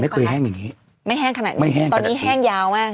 ไม่เคยแห้งอย่างนี้ไม่แห้งขนาดนี้ตอนนี้แห้งยาวมาก